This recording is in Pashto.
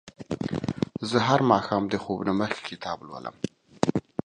زه هر ماښام د خوب نه مخکې کتاب لولم.